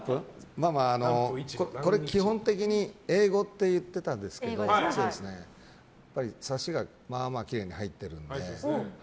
まあまあ、これは基本的にＡ５って言っていたんですけどサシがまあまあきれいに入ってるので。